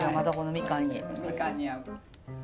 みかんに合う。